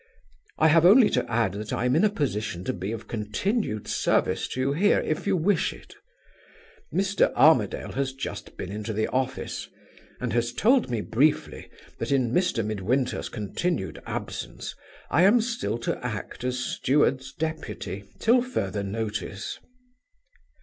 "I have only to add that I am in a position to be of continued service to you here if you wish it. Mr. Armadale has just been into the office, and has told me briefly that, in Mr. Midwinter's continued absence, I am still to act as steward's deputy till further notice.